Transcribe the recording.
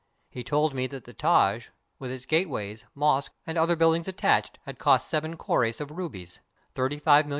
He told me that the Taj, with its gateways, mosque, and other buildings attached, had cost seven crores of rupees — $35,000,000.